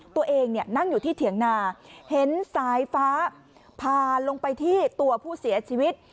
ตัวเองเนี่ยนั่งอยู่ที่เถียงนาเห็นสายฟ้าพาลงไปที่ตัวผู้เสียชีวิต